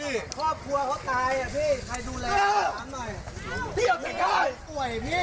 พี่อย่าเกลียดได้ป่วยพี่